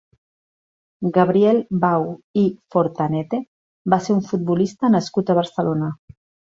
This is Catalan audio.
Gabriel Bau i Fortanete va ser un futbolista nascut a Barcelona.